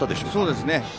そうですね。